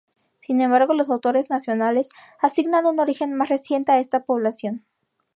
Sin embargo, los autores nacionales asignan un origen más reciente a esta población.